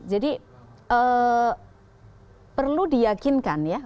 jadi perlu diyakinkan ya